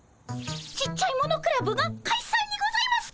ちっちゃいものクラブがかいさんにございますか？